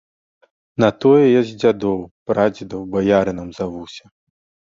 На тое я з дзядоў, прадзедаў баярынам завуся.